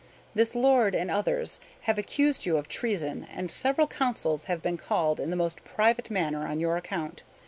This lord and others have accused you of treason, and several councils have been called in the most private manner on your account.